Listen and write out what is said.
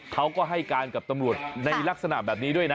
เขาก็ให้การกับตำรวจในลักษณะแบบนี้ด้วยนะ